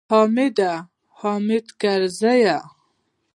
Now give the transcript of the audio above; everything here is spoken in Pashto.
حامده! حامد کرزیه!